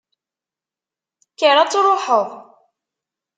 Kker ad truḥeḍ!